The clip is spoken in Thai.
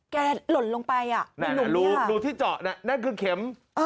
แกล่นลงไปอะเหนื่องลุกคุณนี้ค่ะดูที่เจาะน่ะนั่นคือเข็ม